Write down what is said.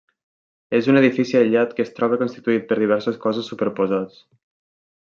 És un edifici aïllat que es troba constituït per diversos cossos superposats.